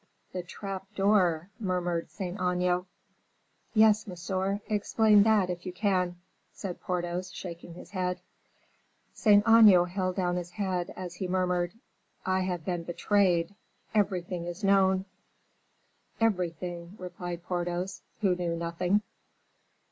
"The trap door," murmured Saint Aignan. "Yes, monsieur, explain that if you can," said Porthos, shaking his head. Saint Aignan held down his head, as he murmured: "I have been betrayed, everything is known!" "Everything," replied Porthos, who knew nothing.